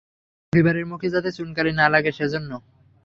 পরিবারের মুখে যাতে চুন-কালি না লাগে সেজন্য?